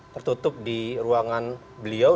tertutup di ruangan beliau